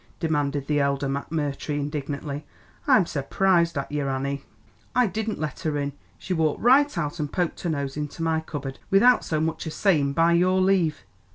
demanded the elder McMurtry indignantly. "I'm surprised at ye, Annie." "I didn't let her in, she walked right out and poked her nose into me cupboard without so much as sayin' by your leave.